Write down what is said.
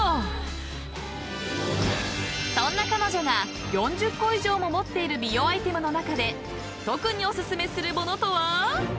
［そんな彼女が４０個以上も持っている美容アイテムの中で特にお薦めするものとは］